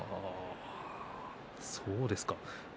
そうですね。